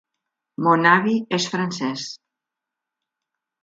Mon avi és francés.